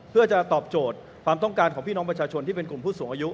เพื่อจะตอบโจทย์ความต้องการของพี่น้องประชาชนที่เป็นกลุ่มผู้สูงอายุ